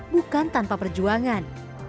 bukan tanpa perjuangan